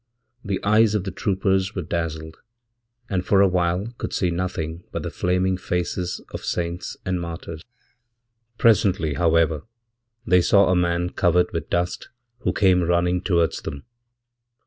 The eyes of the troopers weredazzled, and for a while could see nothing but the flaming faces ofsaints and martyrs. Presently, however, they saw a man covered withdust who came running towards them.